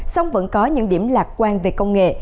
song vẫn có những điểm lạc quan về công nghệ